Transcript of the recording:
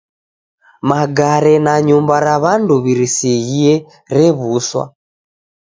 Magare na nyumba ra w'andu w'irisighie rew'uswa.